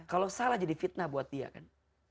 kalau salah jadi fitnah buat dia kan